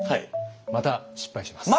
また失敗します。